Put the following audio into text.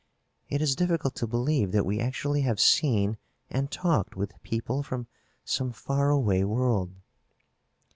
"It is difficult to believe that we actually have seen and talked with people from some far away world."